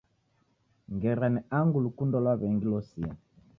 Ngera ni angu lukundo lwa w'engi losia